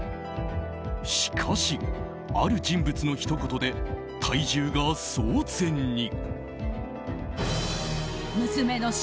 しかし、ある人物のひと言でタイ中が騒然に。